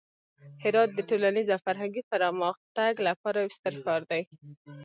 هرات د ټولنیز او فرهنګي پرمختګ لپاره یو ستر ښار دی.